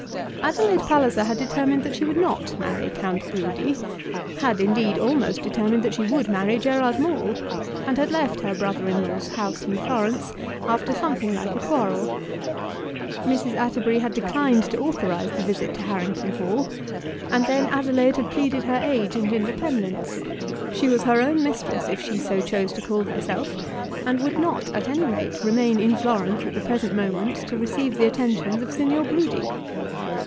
Adelaide Palliser had determined that she would not marry Count Brudi; had, indeed, almost determined that she would marry Gerard Maule, and had left her brother in law's house in Florence after something like a quarrel. Mrs. Atterbury had declined to authorise the visit to Harrington Hall, and then Adelaide had pleaded her age and independence. She was her own mistress if she so chose to call herself, and would not, at any rate, remain in Florence at the present moment to receive the attentions of Signor Brudi.